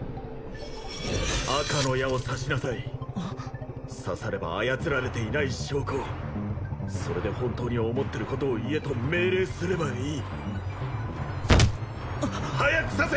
赤の矢を刺しなさい刺されば操られていない証拠それで本当に思ってることを言えと命令すればいい早く刺せ！